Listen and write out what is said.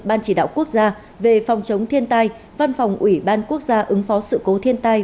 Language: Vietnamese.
ban chỉ đạo quốc gia về phòng chống thiên tai văn phòng ủy ban quốc gia ứng phó sự cố thiên tai